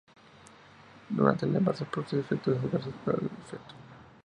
Durante el embarazo produce efectos adversos para el feto.